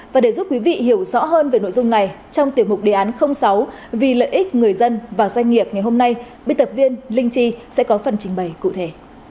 và để giúp quý vị hiểu rõ hơn về nội dung này trong tiềm mục đề án sáu vì lợi ích người dân và doanh nghiệp ngày hôm nay biên tập viên linh chi sẽ có phần trình bày cụ thể